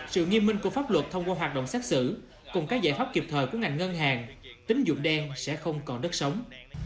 sự nghiêm minh của pháp luật thông qua hoạt động xác xử cùng các giải pháp kịp thời của ngành ngân hàng tính dụng đen sẽ không còn đất sống